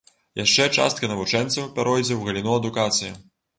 Яшчэ частка навучэнцаў пяройдзе ў галіну адукацыі.